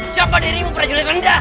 siapa dirimu prajurit linda